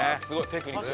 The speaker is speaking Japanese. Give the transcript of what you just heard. テクニック。